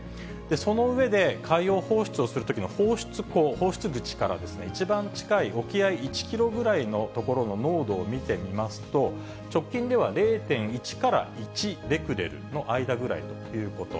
その上で、海洋放出をするときの放出口、放出口からですね、一番近い沖合１キロぐらいの所の濃度を見てみますと、直近では０．１から１ベクレルの間ぐらいということ。